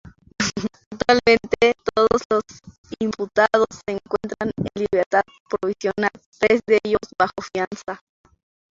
Actualmente todos los imputados se encuentran en libertad provisional, tres de ellos bajo fianza.